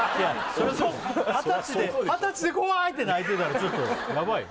そりゃそう二十歳で二十歳で「怖い」って泣いてたらちょっとヤバいよ